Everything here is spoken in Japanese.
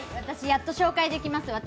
私、やっと紹介できます。